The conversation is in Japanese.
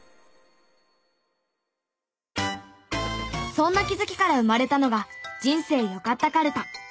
そんな気づきから生まれたのが人生よかったカルタ。